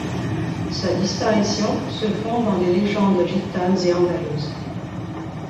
Sa disparition se fond dans des légendes gitanes et andalouses.